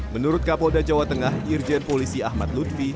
menurut kapolda jawa tengah irjen polisi ahmad lutfi